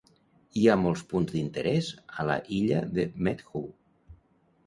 Hi ha molts punts d"interès a la illa de Meedhoo.